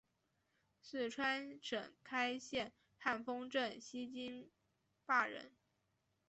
四川省开县汉丰镇西津坝人。